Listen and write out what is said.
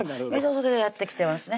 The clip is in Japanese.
それがやって来てますね